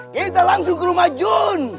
kita langsung ke rumah john